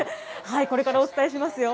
これからお伝えしますよ。